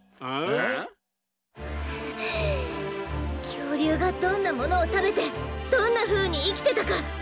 きょうりゅうがどんなものをたべてどんなふうにいきてたか。